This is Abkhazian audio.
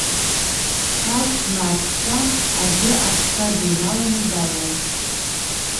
Ҳәарч-марчҳәа аӡәы аҽҭра дыҩналаны дааиуан.